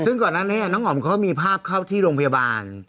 ซึ่งก่อนนั้นเนี่ยน้องอ๋อมเขาก็มีภาพเข้าที่โรงพยาบาล